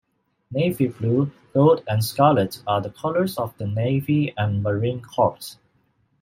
Navy blue, gold and scarlet are the colors of the Navy and Marine Corps.